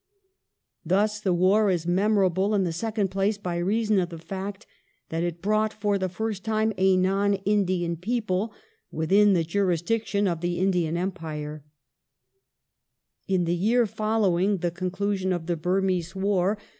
Thus the war is memor able, in the second place, by reason of the fact that " it brought .^ for the fii st time a non Indian people within the jurisdiction of the Indian Empire "} In the year following the conclusion of the Burmese War Lord ^ Lyall, op.